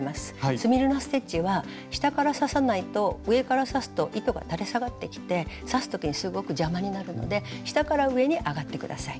スミルナ・ステッチは下から刺さないと上から刺すと糸が垂れ下がってきて刺す時にすごく邪魔になるので下から上に上がって下さい。